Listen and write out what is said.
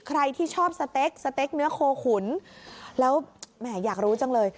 ใครที่ชอบสเต็กสเต็กเนื้อโคขุนแล้วแหมอยากรู้จังเลย